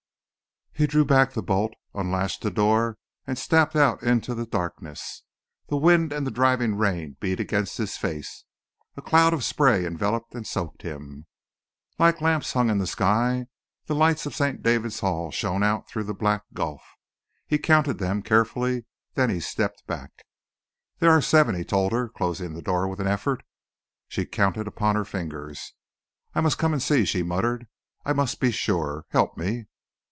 He drew back the bolt, unlatched the door, and stepped out into the darkness. The wind and the driving rain beat against his face. A cloud of spray enveloped and soaked him. Like lamps hung in the sky, the lights of St. David's Hall shone out through the black gulf. He counted them carefully; then he stepped back. "There are seven," he told her, closing the door with an effort. She counted upon her fingers. "I must come and see," she muttered. "I must be sure. Help me."